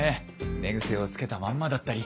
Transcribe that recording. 寝癖をつけたまんまだったり。